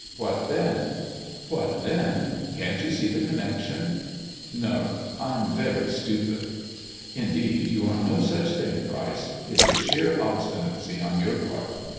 What then 1 "" What then ! Can't you see the connection ]"" No ; I am very stupid." " Indeed you are no such thing, Pryce. It is sheer obstinacy on your part.